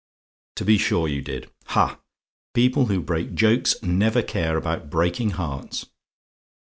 "TO BE SURE YOU DID? "Ha! people who break jokes never care about breaking hearts.